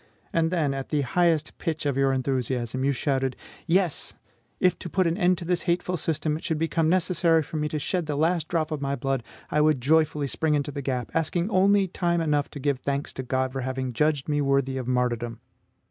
And then, at the highest pitch of your enthusiasm, you shouted: "Yes, if to put an end to this hateful system, it should become necessary for me to shed the last drop of my blood, I would joyfully spring into the gap, asking only time enough to give thanks to God for having judged me worthy of martyrdom!"